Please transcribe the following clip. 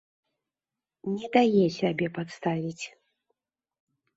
Не дае сябе падставіць.